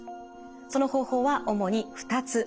その方法は主に２つあります。